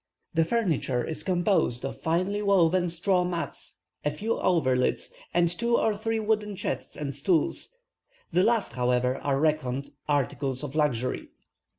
The furniture is composed of finely woven straw mats, a few coverlids, and two or three wooden chests and stools; the last, however, are reckoned articles of luxury.